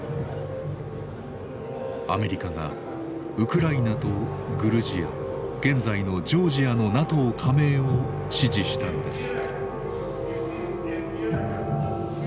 アメリカがウクライナとグルジア現在のジョージアのＮＡＴＯ加盟を支持したのです。